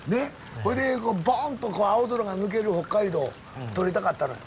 ほいでボンとこう青空が抜ける北海道を撮りたかったのよ。